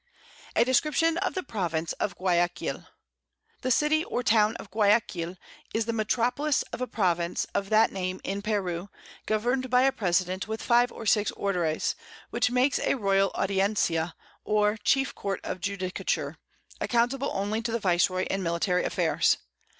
A Description of the Province of Guiaquil. The City or Town of Guiaquil is the Metropolis of a Province of that Name in Peru, govern'd by a President with 5 or 6 Orderes, which makes a Royal Audiencia or chief Court of Judicature, accountable only to the Viceroy in military Affairs.